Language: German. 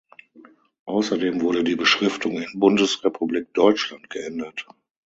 Außerdem wurde die Beschriftung in „Bundesrepublik Deutschland“ geändert.